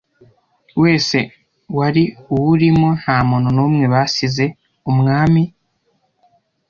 wese wari uwurimo Nta muntu n umwe basize Umwami